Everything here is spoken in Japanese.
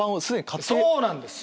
そうなんです！